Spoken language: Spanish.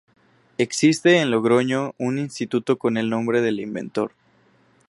Existe en Logroño un instituto con el nombre del inventor.